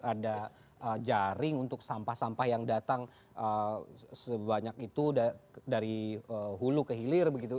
ada jaring untuk sampah sampah yang datang sebanyak itu dari hulu ke hilir begitu